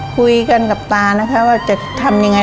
คุยกันกับตานะคะว่าจะทำยังไง